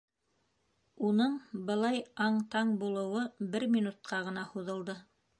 Уның былай аң-таң булыуы бер минутҡа ғына һуҙылды.